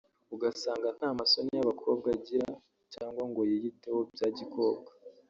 ugasanga nta masoni y’abakobwa agira cyangwa ngo yiyiteho bya gikobwa